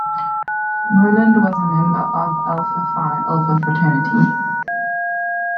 Moorland was a member of Alpha Phi Alpha fraternity.